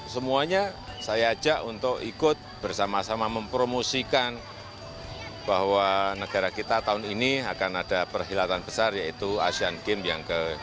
semuanya saya ajak untuk ikut bersama sama mempromosikan bahwa negara kita tahun ini akan ada perhilatan besar yaitu asean games yang ke delapan belas